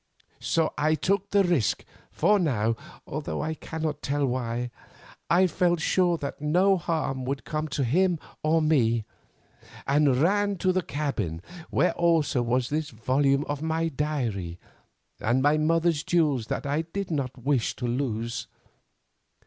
So I took the risk, for now, although I cannot tell why, I felt sure that no harm would come to him or me, and ran to the cabin, where also was this volume of my diary and my mother's jewels that I did not wish to lose.